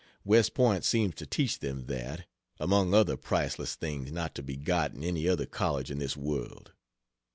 West Point seems to teach them that, among other priceless things not to be got in any other college in this world.